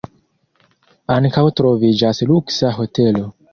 Ankaŭ troviĝas luksa hotelo.